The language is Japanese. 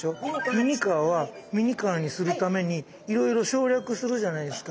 ミニカーはミニカーにするためにいろいろ省略するじゃないですか。